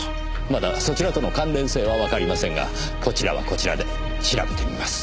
まだそちらとの関連性はわかりませんがこちらはこちらで調べてみます。